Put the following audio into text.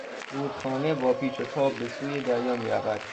رودخانه با پیچ و تاب به سوی دریا میرود.